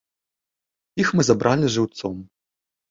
Іх мы забралі жыўцом.